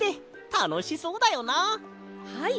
はい！